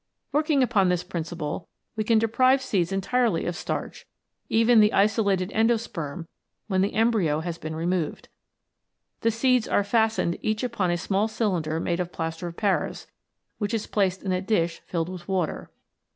Working upon this principle we can deprive seeds entirely of starch, even the isolated endosperm when the embryo has been removed. The seeds are fastened each upon a small cylinder made of plaster of Paris, which is placed in a dish filled with water.